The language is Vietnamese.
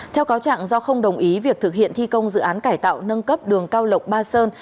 theo cáo trạng do không đồng ý việc thực hiện thi công dự án cải tạo nâng cấp đường cao lộc ba sơn